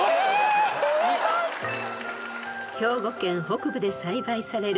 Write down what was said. ［兵庫県北部で栽培される］